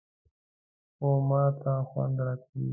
_خو ماته خوند راکوي.